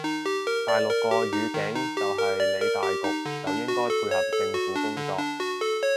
大陸個語境就係理大局就應該配合政府工作